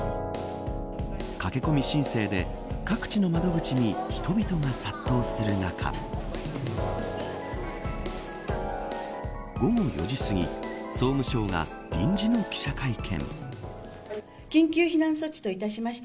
駆け込み申請で各地の窓口に人々が殺到する中午後４時すぎ総務省が臨時の記者会見。